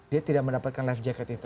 dia tidak mendapatkan life jacket itu